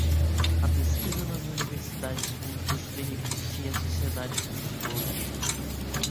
A pesquisa nas universidades públicas beneficia a sociedade como um todo.